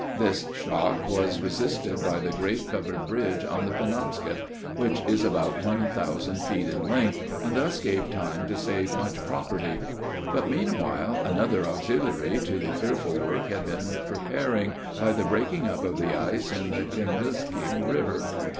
This shock was resisted by the great covered bridge on the Penobscot, which is about one thousand feet in length, and this gave time to save much property But meanwhile another auxiliary to the fearful work had been preparing, by the breaking up of the ice in the Kenduskeag river.